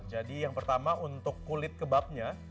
jadi yang pertama untuk kulit kebabnya